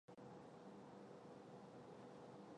旧埤里是中华民国台湾嘉义县太保市辖下的行政区。